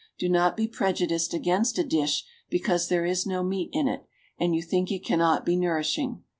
Do not be prejudiced against a dish because there is no meat in it, and you think it cannot be nourishing.